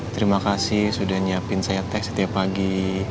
terima kasih sudah nyiapin saya tes setiap pagi